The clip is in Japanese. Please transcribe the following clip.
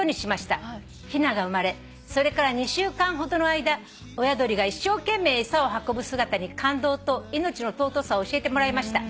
「ヒナが生まれそれから２週間ほどの間親鳥が一生懸命餌を運ぶ姿に感動と命の尊さを教えてもらいました」